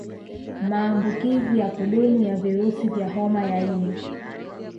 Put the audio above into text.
Maambukizi ya kudumu ya virusi vya Homa ya ini